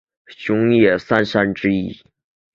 熊野三山之一。